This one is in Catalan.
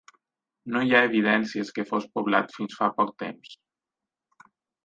No hi ha evidències que fos poblat fins fa poc temps.